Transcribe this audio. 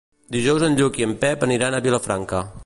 Dijous en Lluc i en Pep aniran a Vilafranca.